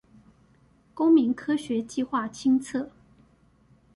公民科學計畫清冊